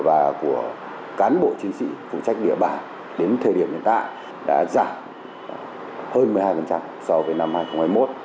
và của cán bộ chiến sĩ phụ trách địa bàn đến thời điểm hiện tại đã giảm hơn một mươi hai so với năm hai nghìn hai mươi một